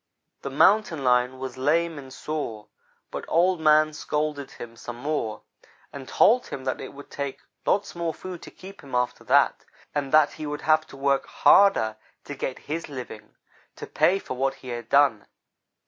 "The Mountain lion was lame and sore, but Old man scolded him some more and told him that it would take lots more food to keep him after that, and that he would have to work harder to get his living, to pay for what he had done.